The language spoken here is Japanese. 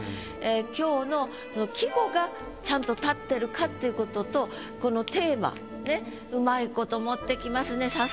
今日の季語がちゃんと立ってるかっていうこととこのテーマうまいこと持ってきますね。